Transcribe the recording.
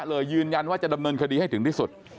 ยืนยันว่าจะดำเนินคดีให้ถึงที่สุด